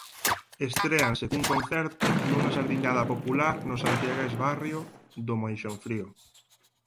Estréanse cun concerto nunha sardiñada popular no santiagués barrio do Meixonfrío.